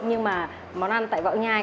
nhưng mà món ăn tại võ nhai